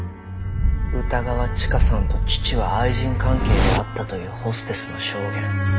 歌川チカさんと父は愛人関係であったというホステスの証言。